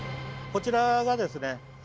こちらがですね